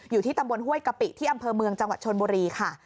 อยู่ที่ตำบลห้วยกะปิที่อำเภอเมืองจังหวัดชนบุรีค่ะ